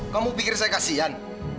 kamu pikir saya kasihan